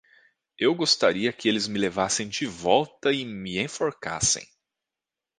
Eu gostaria que eles me levassem de volta e me enforcassem.